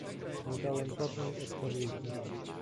"Nie dałem żadnej odpowiedzi."